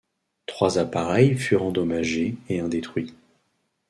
Trois appareils furent endommagés et un détruit.